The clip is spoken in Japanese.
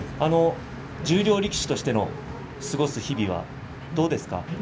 十両力士として過ごす日々はどうですか？